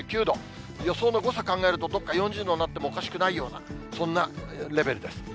予想の誤差考えると、どっか４０度になってもおかしくないような、そんなレベルです。